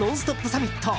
サミット。